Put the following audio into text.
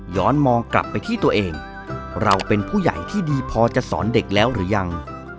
มองกลับไปที่ตัวเองเราเป็นผู้ใหญ่ที่ดีพอจะสอนเด็กแล้วหรือยัง